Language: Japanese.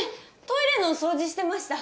トイレの掃除してました。